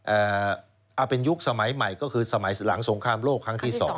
เอาเป็นยุคสมัยใหม่ก็คือสมัยหลังสงครามโลกครั้งที่สอง